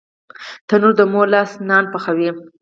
تنور د مور لاس نان پخوي